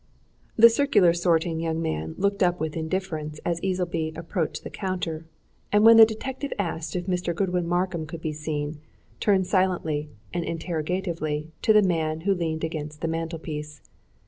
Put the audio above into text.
The circular sorting young man looked up with indifference as Easleby approached the counter, and when the detective asked if Mr. Godwin Markham could be seen, turned silently and interrogatively to the man who leaned against the mantelpiece.